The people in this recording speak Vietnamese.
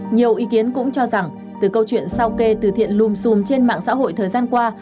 nhiều ý kiến cũng cho rằng từ câu chuyện sao kê từ thiện lùm xùm trên mạng xã hội thời gian qua